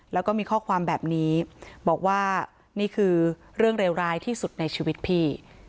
แล้วก็มีข้อความแบบนี้บอกว่านี่คือเรื่องเลวร้ายที่สุดในชีวิตพี่